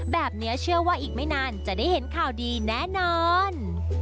เชื่อว่าอีกไม่นานจะได้เห็นข่าวดีแน่นอน